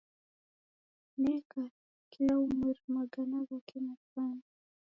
Neka kila umweri maghana ghake masanu.